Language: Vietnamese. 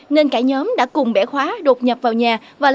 nên cả nhóm đã cùng bẻ khóa đột nhập vào nhà